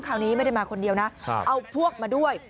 คราวนี้ไม่ได้มาคนเดียวนะเอาพวกมาด้วย